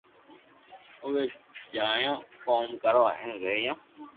اووي جايون ڪوم ڪرو ھين رھيو